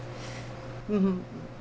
うん。